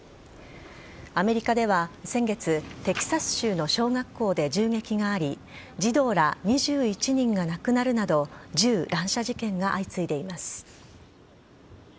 アメリカでは先月テキサス州の小学校で銃撃があり児童ら２１人が亡くなるなど銃乱射事件が相次いでいます。